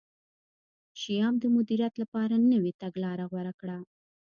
شیام د مدیریت لپاره نوې تګلاره غوره کړه.